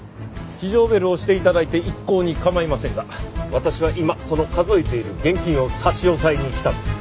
非常ベルを押して頂いて一向に構いませんが私は今その数えている現金を差し押さえに来たんです。